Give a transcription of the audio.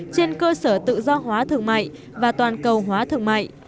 trên cơ sở tự do hóa thương mại và toàn cầu hóa thương mại